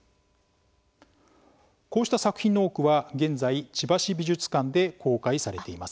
こうした作品の多くは現在千葉市美術館で公開されています。